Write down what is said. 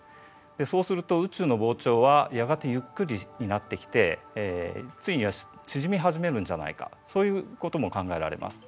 そうすると宇宙の膨張はやがてゆっくりになってきてついには縮みはじめるんじゃないかそういうことも考えられます。